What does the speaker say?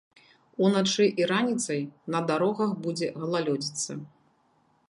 Уначы і раніцай на дарогах будзе галалёдзіца.